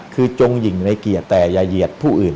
คือจงหญิงในเกียรติแต่อย่าเหยียดผู้อื่น